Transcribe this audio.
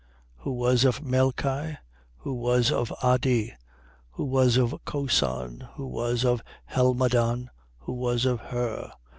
Who was of Melchi, who was of Addi, who was of Cosan, who was of Helmadan, who was of Her, 3:29.